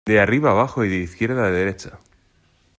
de arriba a bajo y de izquierda a derecha ;